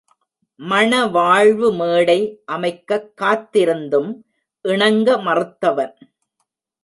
மணவாழ்வு மேடை அமைக்கக் காத்திருந்தும், இணங்க மறுத்தவன்.